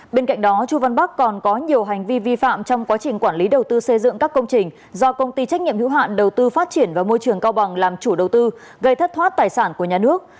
bên cạnh đó chu văn bắc còn có nhiều hành vi vi phạm trong quá trình quản lý đầu tư xây dựng các công trình do công ty trách nhiệm hữu hạn đầu tư phát triển và môi trường cao bằng làm chủ đầu tư gây thất thoát tài sản của nhà nước